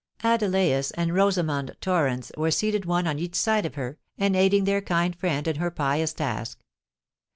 Adelais and Rosamond Torrens were seated one on each side of her, and aiding their kind friend in her pious task.